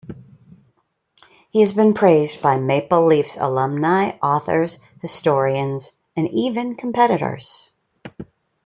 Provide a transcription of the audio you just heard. He has been praised by Maple Leafs alumni, authors, historians and even competitors.